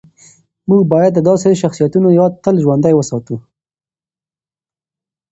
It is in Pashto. موږ باید د داسې شخصیتونو یاد تل ژوندی وساتو.